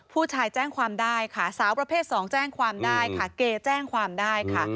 ผู้ชายแจ้งความได้ค่ะสาวประเภท๒แจ้งความได้ค่ะเกแจ้งความได้ค่ะ